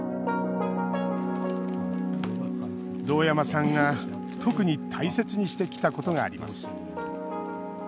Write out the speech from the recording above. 堂山さんが、特に大切にしてきたことがあります。